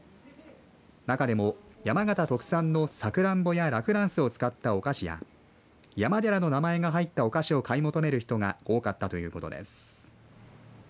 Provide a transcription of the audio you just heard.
中でも山形特産のさくらんぼやラ・フランスを使ったお菓子や山寺の名前が入ったお菓子を買い求める人が多かったということです。